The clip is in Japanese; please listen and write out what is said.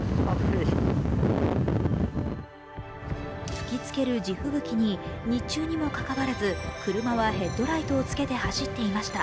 吹きつける地吹雪に日中にもかかわらず車はヘッドライトをつけて走っていました。